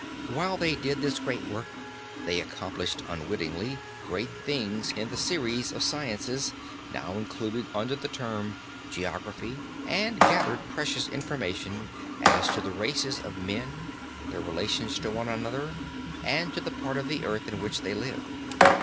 While they did this great work they accomplished unwittingly great things in all the series of sciences now included under the term geography, and gathered precious information as to the races of men, their relations to one another and to the part of the earth in which they live.